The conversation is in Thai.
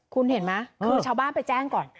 คุณเห็นไหมคือชาวบ้านไปแจ้งก่อน